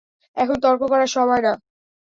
এখন তর্ক করার সময় না!